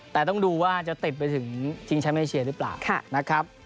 แต่ต้องดูว่าจะติดไปถึงชิงแชมป์เอเชียหรือเปล่านะครับ